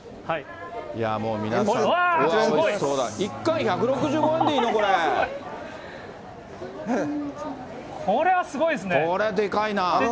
１貫１６５円でいいの？